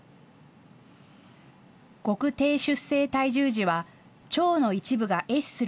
極低出生体重児は腸の一部がえ死する